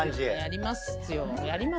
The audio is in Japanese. やりますよ。